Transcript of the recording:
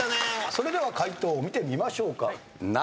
それでは解答見てみましょうか。